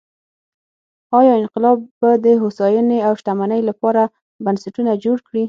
ایا انقلاب به د هوساینې او شتمنۍ لپاره بنسټونه جوړ کړي؟